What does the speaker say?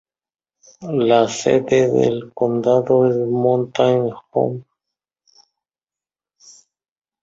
La sede de condado es Mountain Home.